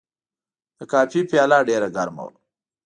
د کافي پیاله ډېر ګرمه وه.